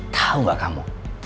tahu gak kamu